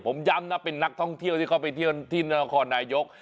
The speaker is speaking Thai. ผมย้ำนะเป็นนักท่องเที่ยวที่เขาไปเที่ยวที่นครนายก